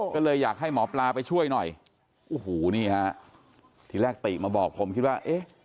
ก็เลยอยากให้หมอปลาไปช่วยหน่อยอันนี้ที่แรกติกมาบอกผมคิดว่า